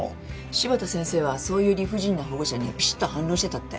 柴田先生はそういう理不尽な保護者にビシッと反論してたって。